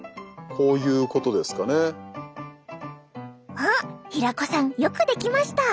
おっ平子さんよくできました！